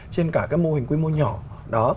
trên cả các mô hình quy mô nhỏ